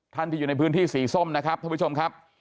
ท่านที่อยู่ในพื้นที่สีส้มนะครับท่านผู้ชมครับ